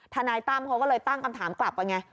ทนายตั้มเขาก็เลยตั้งคำถามกลับว่าไง